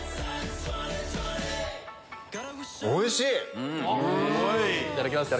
おいしい！